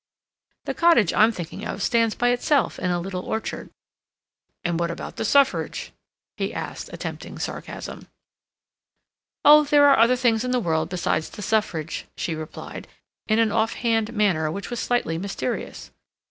"The cottage I'm thinking of stands by itself in a little orchard." "And what about the Suffrage?" he asked, attempting sarcasm. "Oh, there are other things in the world besides the Suffrage," she replied, in an off hand manner which was slightly mysterious.